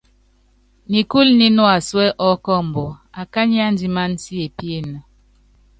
Nikúlu nínuásuɛ́ ɔkɔmbɔ, akányi andimánam siepíene.